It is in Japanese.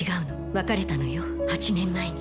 別れたのよ、８年前に。